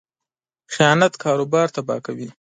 خیانت کاروبار تباه کوي.